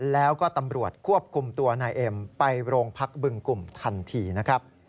แล้วก็ตำรวจควบคุมตัวนายเอ็มไปโรงพักบึงกลุ่มทันทีนะครับ